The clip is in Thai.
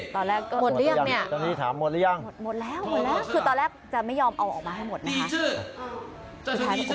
ตอนแรกจะไม่ยอมเอาออกมาให้หมดนะ